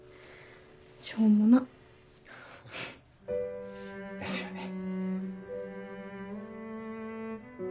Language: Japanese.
しょうもな。ですよね。